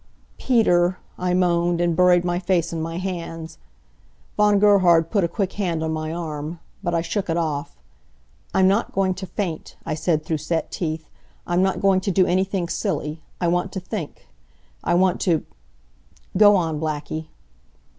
"Peter!" I moaned, and buried my face in my hands. Von Gerhard put a quick hand on my arm. But I shook it off. "I'm not going to faint," I said, through set teeth. "I'm not going to do anything silly. I want to think. I want to... Go on, Blackie."